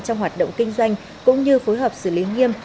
trong hoạt động kinh doanh cũng như phối hợp xử lý nghiêm